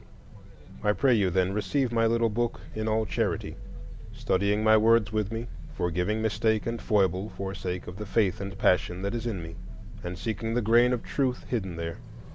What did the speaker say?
I pray you, then, receive my little book in all charity, studying my words with me, forgiving mistake and foible for sake of the faith and passion that is in me, and seeking the grain of truth hidden there.